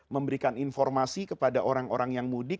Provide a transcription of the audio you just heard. memberikan informasi kepada orang orang yang mudik